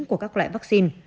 của các loại vaccine